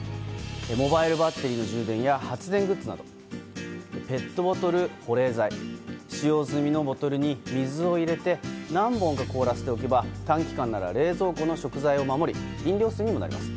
モバイルバッテリーの充電や発電グッズなどペットボトル保冷剤使用済みのボトルに水を入れて何本か凍らせておけば短期間なら冷蔵庫の食材を守り飲料水にもなります。